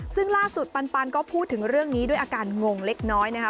ซึ่งล่าสุดปันก็พูดถึงเรื่องนี้ด้วยอาการงงเล็กน้อยนะคะ